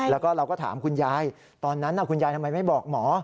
แล้วก็เราก็ถามคุณยายตอนนั้นคุณยายทำไมไม่บอกหมอ